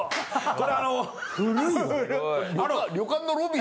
これあの。